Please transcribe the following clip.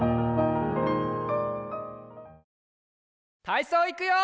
たいそういくよ！